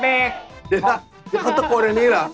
เดี๋ยวเขาตะโกนอย่างนี้เหรอ